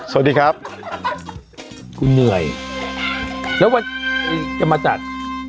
สวัสดีครับเหนื่อยหรอแล้วว่าจะมาจัด